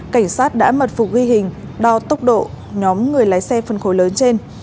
cảnh sát đã mật phục ghi hình đo tốc độ nhóm người lái xe phân khối lớn trên